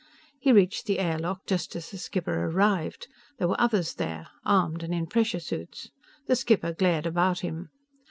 He reached the air lock just as the skipper arrived. There were others there armed and in pressure suits. The skipper glared about him.